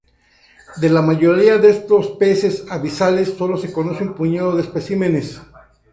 De la mayoría de estos peces abisales sólo se conoce un puñado de especímenes.